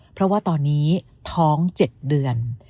เพราะว่าตอนนี้ท้อง๗เดือน